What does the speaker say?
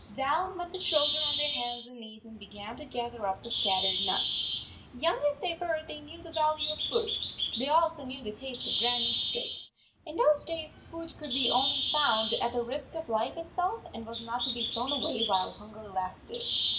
Down went the children on their hands and knees, and began to gather up the scat 12 tered nuts. Young as they were, they knew the value of food. They also knew the taste of Grannie s stick. In those days food could be found only at the risk of life itself and was not to be thrown away while hunger lasted.